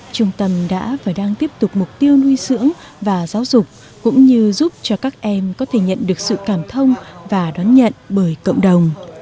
trung tâm đã và đang tiếp tục mục tiêu nuôi dưỡng và giáo dục cũng như giúp cho các em có thể nhận được sự cảm thông và đón nhận bởi cộng đồng